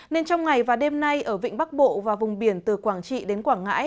nên trong ngày và đêm nay ở vịnh bắc bộ và vùng biển từ quảng trị đến quảng ngãi